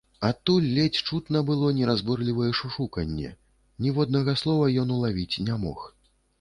Адтуль ледзь чутна было неразборлівае шушуканне, ніводнага слова ён улавіць не мог.